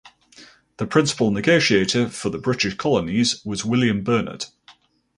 The principle negotiator for the British colonies was William Burnet.